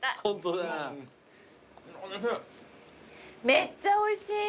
めっちゃおいしい！